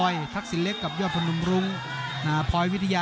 อย่าแก้ปวดหัวกินเป็นกำเลย